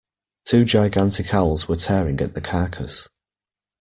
Two gigantic owls were tearing at the carcass.